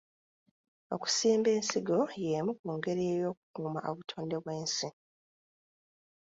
Okusimba ensigo yemu ku ngeri ey'okukuuma obutonde bw'ensi.